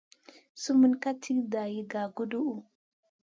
Sumun ka tì dari gaguduhu.